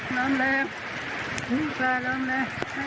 ล้มเร็วล้มเร็ว